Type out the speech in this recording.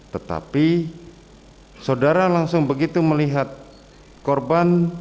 tetapi saudara langsung begitu melihat korban